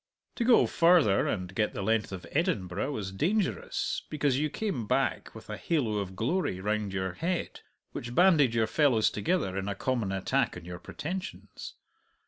To go farther, and get the length of Edinburgh, was dangerous, because you came back with a halo of glory round your head which banded your fellows together in a common attack on your pretensions.